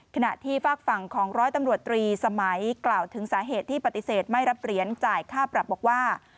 ขณะที่ฝากฝั่งของร้อยตำรวจตรีสมัยกล่าวถึงสาเหตุที่ปฏิเสธไม่รับเหรียญจ่ายค่าปรับบอกว่า